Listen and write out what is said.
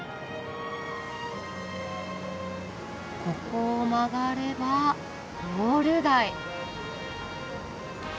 ここを曲がればウォール街。